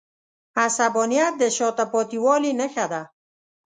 عصبانیت د شاته پاتې والي نښه ده.